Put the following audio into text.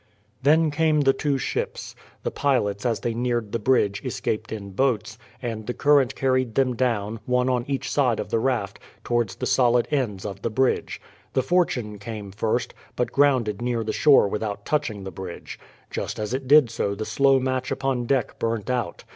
Then came the two ships. The pilots as they neared the bridge escaped in boats, and the current carried them down, one on each side of the raft, towards the solid ends of the bridge. The Fortune came first, but grounded near the shore without touching the bridge. Just as it did so the slow match upon deck burnt out.